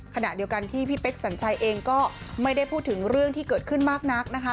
ขณะเดียวกันที่พี่เป๊กสัญชัยเองก็ไม่ได้พูดถึงเรื่องที่เกิดขึ้นมากนักนะคะ